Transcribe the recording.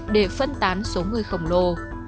để phân tán số người khổng lồ